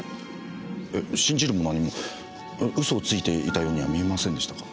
えっ信じるも何も嘘をついていたようには見えませんでしたが。